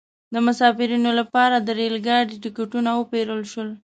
د مسافرینو لپاره د ریل ګاډي ټکټونه وپیرل شول.